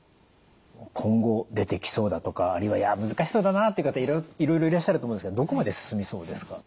今後出てきそうだとかあるいはいや難しそうだなという方いろいろいらっしゃると思うんですけどどこまで進みそうですか？